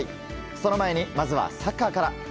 その前にまずはサッカーから。